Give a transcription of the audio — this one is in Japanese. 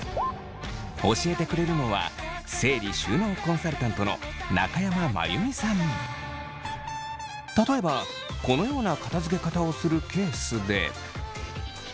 教えてくれるのは整理収納コンサルタントの例えばこのような片づけ方をするケースで。